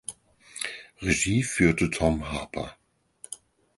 Regie führte Tom Harper.